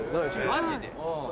マジで？